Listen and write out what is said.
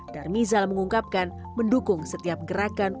darmizal mengungkapkan mendukung setiap gerakan